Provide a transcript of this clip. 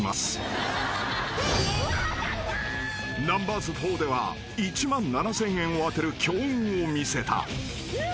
［ナンバーズ４では１万７，０００円を当てる強運を見せた］